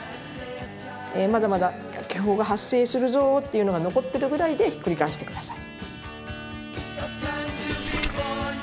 まだまだ気泡が発生するぞっていうのが残ってるぐらいでひっくり返して下さい。